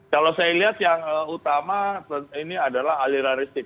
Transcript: kalau saya lihat yang utama ini adalah aliraristik